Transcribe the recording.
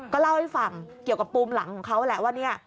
ก็เล่าให้ฟังเกี่ยวกับปูมหลังของเขาแหละว่าเนี่ย